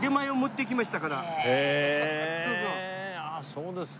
そうですか。